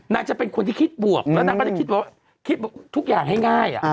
นักจะเป็นคนที่คิดบวกแล้วนักก็จะคิดบวกคิดให้ง่าย